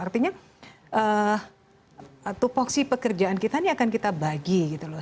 artinya tupoksi pekerjaan kita ini akan kita bagi gitu loh